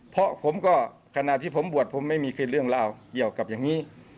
เพราะผมก็ขณะที่ผมบวชผมไม่มีเรื่องเล่าเกี่ยวกับอย่างนี้